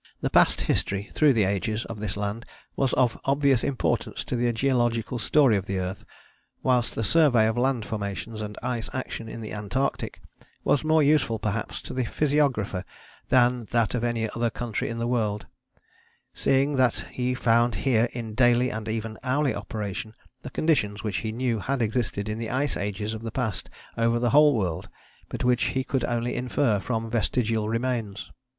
The past history, through the ages, of this land was of obvious importance to the geological story of the earth, whilst the survey of land formations and ice action in the Antarctic was more useful perhaps to the physiographer than that of any other country in the world, seeing that he found here in daily and even hourly operation the conditions which he knew had existed in the ice ages of the past over the whole world, but which he could only infer from vestigial remains.